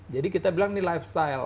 jadi kita bilang ini lifestyle